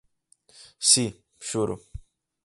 Si, xuro.